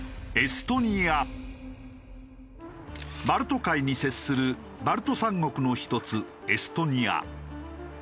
バルト海に接するバルト三国の１つエストニア。